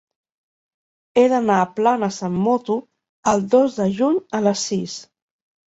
He d'anar a Planes amb moto el dos de juny a les sis.